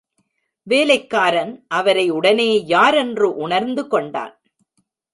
வேலைக்காரன் அவரை உடனே யாரென்று உணர்ந்து கொண்டான்.